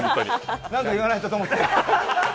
なんか言わないとと思って。